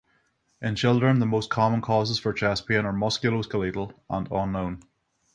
In children the most common causes for chest pain are musculoskeletal and unknown.